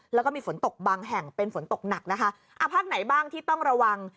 แล้วก็มีฝนตกบางแห่งเป็นฝนตกหนักนะคะอ่าภาคไหนบ้างที่ต้องระวัง